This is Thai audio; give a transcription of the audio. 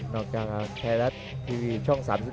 นอกจากครับไทยรัตท์ทีวีช่อง๓๒